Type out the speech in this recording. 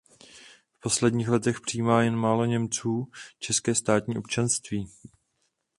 V posledních letech přijímá jen málo Němců české státní občanství.